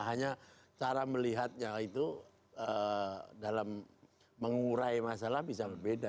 hanya cara melihatnya itu dalam mengurai masalah bisa berbeda